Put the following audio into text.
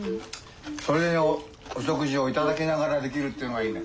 それをお食事を頂きながらできるっていうのがいいね。